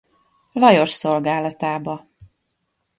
Lajos szolgálatába.